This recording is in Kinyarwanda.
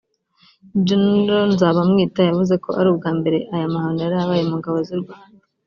Gen Nzabamwita yavuze ko ari ubwa mbere aya mahano yari abaye mu ngabo z’u Rwanda